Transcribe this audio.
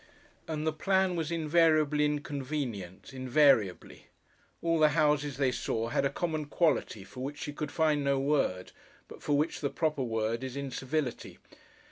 And the plan was invariably inconvenient, invariably. All the houses they saw had a common quality for which she could find no word, but for which the proper word is incivility.